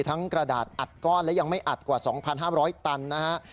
กระดาษอัดก้อนและยังไม่อัดกว่า๒๕๐๐ตันนะฮะ